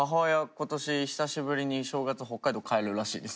今年久しぶりに正月北海道帰るらしいです。